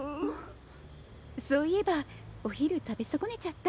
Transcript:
そういえばお昼食べ損ねちゃった。